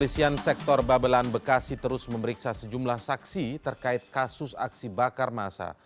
polisian sektor babelan bekasi terus memeriksa sejumlah saksi terkait kasus aksi bakar masa